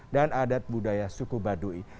dan adat budaya suku baduy